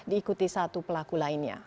diikuti satu pelaku lainnya